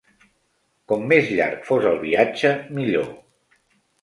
Com més llarg fos el viatge millor.